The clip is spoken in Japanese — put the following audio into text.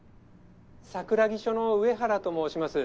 桜木署の上原と申します。